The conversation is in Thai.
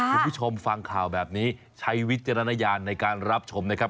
คุณผู้ชมฟังข่าวแบบนี้ใช้วิจารณญาณในการรับชมนะครับ